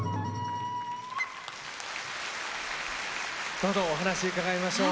どうぞお話伺いましょう。